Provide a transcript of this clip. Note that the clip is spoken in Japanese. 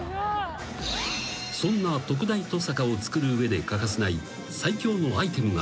［そんな特大トサカを作る上で欠かせない最強のアイテムがあった］